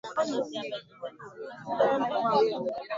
Kigiriki yenye maana ya kazi ya hadhara Wakatoliki Waorthodoksi